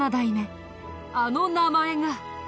あの名前が。